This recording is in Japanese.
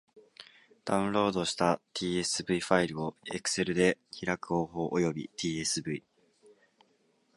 ダウンロードした tsv ファイルを Excel で開く方法及び tsv ...